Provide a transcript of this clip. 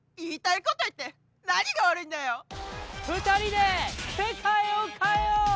２人で世界を変えよう！